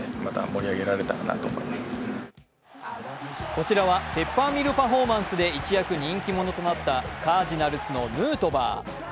こちらはペッパーミルパフォーマンスで一躍人気者となったカージナルスのヌートバー。